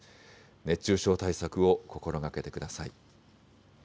熱中症対策を心がけてください。